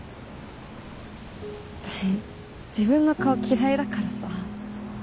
私自分の顔嫌いだからさ。